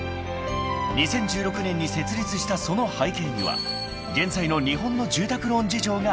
［２０１６年に設立したその背景には現在の日本の住宅ローン事情があった］